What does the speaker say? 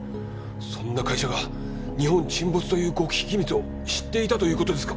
そんな会社が日本沈没という極秘機密を知っていたということですか？